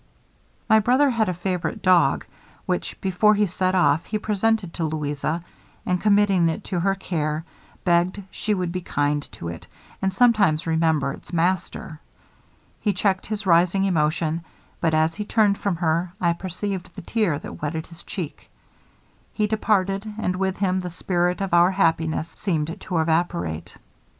'My brother had a favorite dog, which, before he set off, he presented to Louisa, and committing it to her care, begged she would be kind to it, and sometimes remember its master. He checked his rising emotion, but as he turned from her, I perceived the tear that wetted his cheek. He departed, and with him the spirit of our happiness seemed to evaporate.